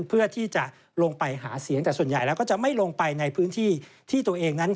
เพื่อที่จะลงไปหาเสียงแต่ส่วนใหญ่แล้วก็จะไม่ลงไปในพื้นที่ที่ตัวเองนั้น